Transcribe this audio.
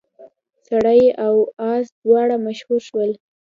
سړی او اس دواړه مشهور شول.